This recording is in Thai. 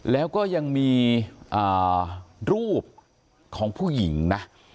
แล้วก็ยังมีรูปของผู้หญิงนะ